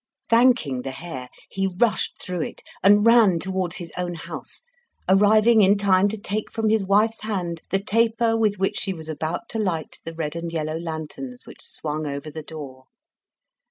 Thanking the Hare, he rushed through it, and ran toward his own house, arriving in time to take the taper from his wife's hand with which she was about to light the red and yellow lanterns which swung over the door.